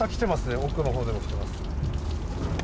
奥のほうでも来てます。